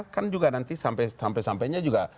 kan juga nanti sampai sampainya juga